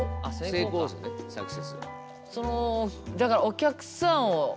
成功ですよねサクセス。